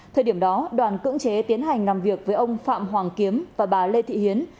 thời điểm đó đoàn cưỡng chế tiến hành làm việc với ông phạm hoàng kiếm và bà lê thị hiến